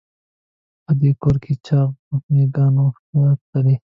په دې کور کې چاغ مږان وو ښه تلي.